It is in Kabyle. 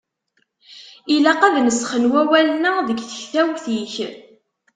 Ilaq ad nesxen wawalen-a deg tektawt-ik.